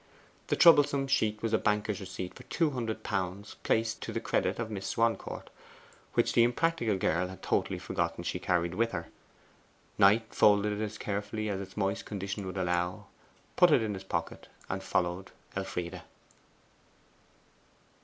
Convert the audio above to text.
The troublesome sheet was a banker's receipt for two hundred pounds, placed to the credit of Miss Swancourt, which the impractical girl had totally forgotten she carried with her. Knight folded it as carefully as its moist condition would allow, put it in his pocket, and followed Elfride.